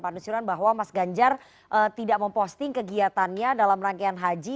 pak nusirwan bahwa mas ganjar tidak memposting kegiatannya dalam rangkaian haji